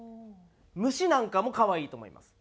虫なんかも可愛いと思います。